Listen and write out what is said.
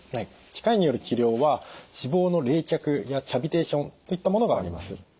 機械による治療は脂肪の冷却やキャビテーションといったものがあります。